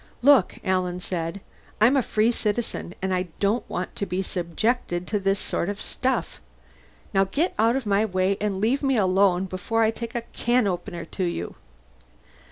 "Look," Alan said. "I'm a free citizen and I don't want to be subjected to this sort of stuff. Now get out of my way and leave me alone before I take a can opener to you."